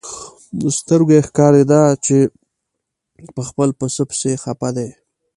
له سترګو یې ښکارېده چې په خپل پسه پسې خپه دی.